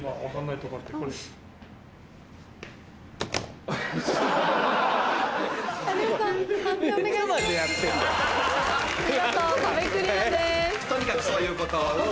とにかくそういうこと。